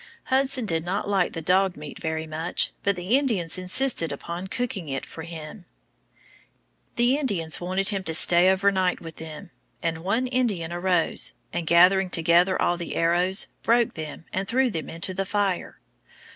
Hudson did not like the dog meat very much, but the Indians insisted upon cooking it for him. [Illustration: Hudson Feasting with the Indians.] The Indians wanted him to stay overnight with them, and one Indian arose, and gathering together all the arrows, broke them and threw them into the fire.